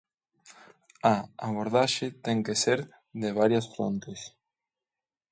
A abordaxe ten que ser de varias frontes.